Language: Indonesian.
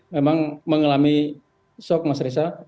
memang mengalami sok mas resa